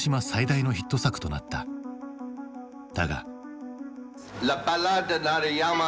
だが。